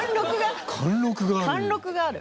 貫禄がある。